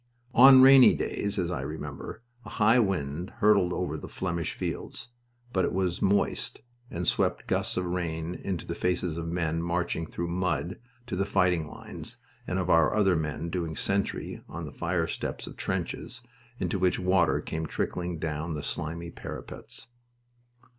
On rainy days, as I remember, a high wind hurtled over the Flemish fields, but it was moist, and swept gusts of rain into the faces of men marching through mud to the fighting lines and of other men doing sentry on the fire steps of trenches into which water came trickling down the slimy parapets.